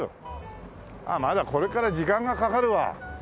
まだこれから時間がかかるわ。